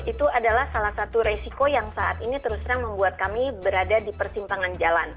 itu adalah salah satu resiko yang saat ini terus terang membuat kami berada di persimpangan jalan